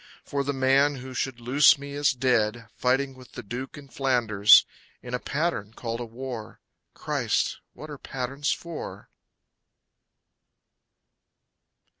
For the man who should loose me is dead, Fighting with the Duke in Flanders, In a pattern called a war. Christ! What are patterns for?